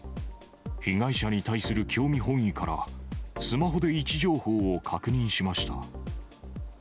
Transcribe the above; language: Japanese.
被害者に対する興味本位から、スマホで位置情報を確認しました。